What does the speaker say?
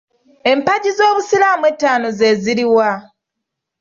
Empagi z'Obusiraamu ettaano ze ziri wa?